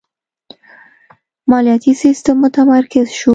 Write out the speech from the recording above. مالیاتی سیستم متمرکز شو.